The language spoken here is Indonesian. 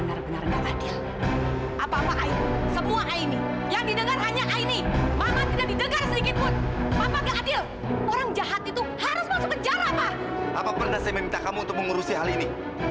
apakah pernah saya meminta kamu untuk mengurusi hal ini